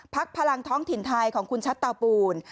พลังท้องถิ่นไทยของคุณชัดเตาปูน